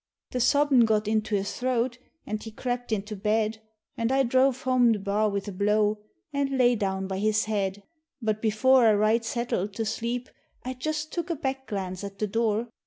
The sobbin' got into his throat, an' he crep' into bed, An' I druv home the bar wid a blow, an' lay down by his head, But before I right settled to sleep I just took a back glance at the dure.